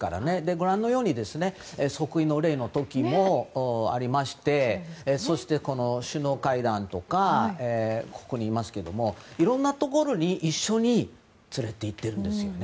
ご覧のように即位の礼の時もありましてそして首脳会談とかいろんなところに一緒に連れて行ってるんですよね。